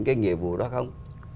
cái nhiệm vụ đó không